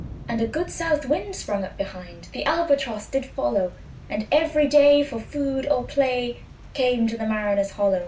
And a good south wind sprung up behind; The Albatross did follow, And every day, for food or play, Came to the mariners' hollo!